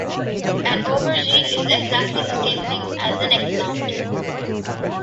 An aubergine is exactly the same thing as an eggplant